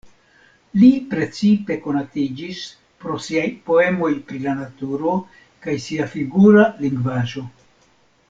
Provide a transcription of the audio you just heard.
Li precipe konatiĝis pro siaj poemoj pri la naturo kaj sia figura lingvaĵo.